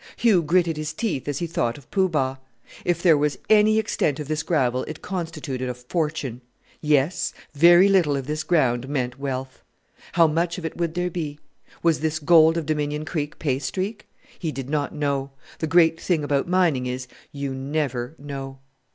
Hugh gritted his teeth as he thought of Poo Bah. If there was any extent of this gravel it constituted a fortune yes, very little of this ground meant wealth. How much of it would there be? Was this gold of Dominion Creek pay streak? He did not know: the great thing about mining is, you never know.